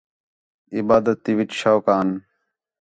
عبادت تی وِچ عِشق آن